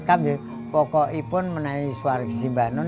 pokoknya saya mencoba dengan suara saya sendiri